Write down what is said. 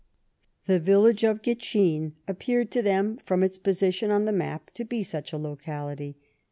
The village of Gitschin appeared to them, from its position on the map. to be such a locality.